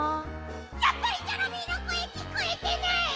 やっぱりチョロミーのこえきこえてない！